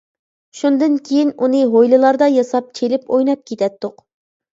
شۇندىن كېيىن ئۇنى ھويلىلاردا ياساپ چېلىپ ئويناپ كېتەتتۇق.